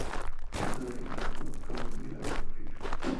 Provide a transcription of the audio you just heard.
Hijo de Reinaldo König y Laura Carrillo.